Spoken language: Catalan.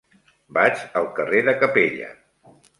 Vaig al carrer de Capella.